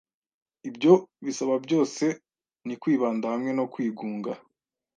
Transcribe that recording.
Ibyo bisaba byose ni kwibanda hamwe no kwigunga.